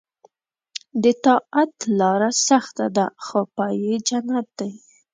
د طاعت لاره سخته ده خو پای یې جنت دی.